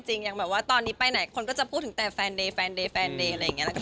จริงยังตอนนี้ไปไหนมันก็จะพูดถึงแต่แฟนเดยแฟนเดยแฟนเดยอะไรอย่างเงี้ย